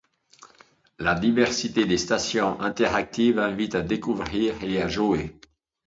La diversité des stations interactives invite à découvrir et à jouer.